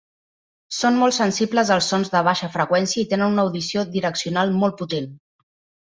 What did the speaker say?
Són molt sensibles als sons de baixa freqüència i tenen una audició direccional molt potent.